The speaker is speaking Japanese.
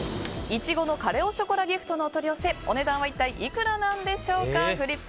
苺のカレ・オ・ショコラＧＩＦＴのお取り寄せお値段は一体いくらなんでしょうか。